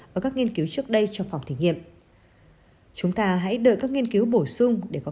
và các nghiên cứu trước đây trong phòng thí nghiệm chúng ta hãy đợi các nghiên cứu bổ sung để có